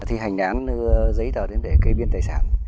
thì hành án giấy tờ đến để cây biên tài sản